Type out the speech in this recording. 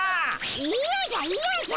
いやじゃいやじゃ！